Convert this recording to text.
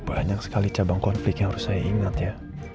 banyak sekali cabang konflik yang harus saya ingat ya